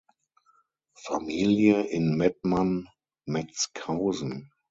Familie in Mettmann-Metzkausen.